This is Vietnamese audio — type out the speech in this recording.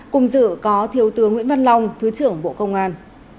cùng dự có thiếu tướng nguyễn văn long thứ trưởng bộ công an